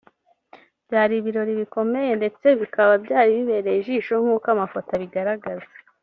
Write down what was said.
byari ibirori bikomeye ndetse bikaba byari bibereye ijisho nkuko n’amafoto abigaragaza